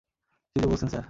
কী যে বলছেন, স্যার।